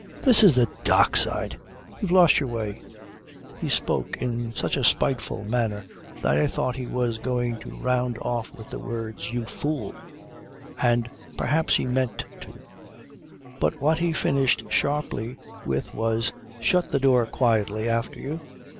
This is the Dock side. You've lost your way ..." He spoke in such a spiteful tone that I thought he was going to round off with the words: "You fool" ... and perhaps he meant to. But what he finished sharply with was: "Shut the door quietly after you."